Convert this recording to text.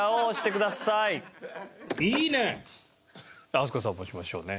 飛鳥さんも押しましょうね。